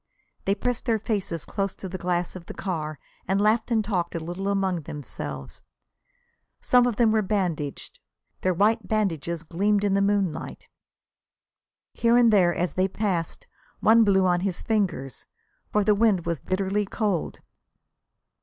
They pressed their faces close to the glass of the car and laughed and talked a little among themselves. Some of them were bandaged. Their white bandages gleamed in the moonlight. Here and there, as they passed, one blew on his fingers, for the wind was bitterly cold.